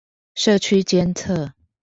社區監測